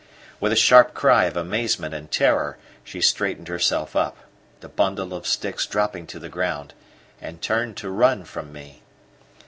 With a sharp cry of amazement and terror she straightened herself up, the bundle of sticks dropping to the ground, and turned to run from me.